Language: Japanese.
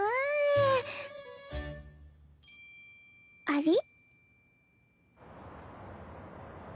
あれ？